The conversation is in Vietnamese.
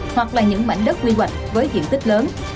hoặc là những mảnh đất quy hoạch với diện tích lớn